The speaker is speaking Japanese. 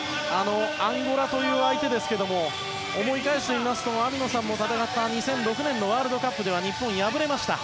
アンゴラという相手ですが思い返してみますと網野さんも戦った２００６年のワールドカップでは日本、敗れました。